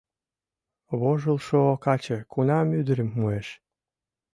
Вожылшо каче кунам ӱдырым муэш?